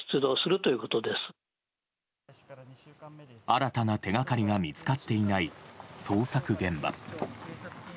新たな手がかりが見つかっていない捜索現場。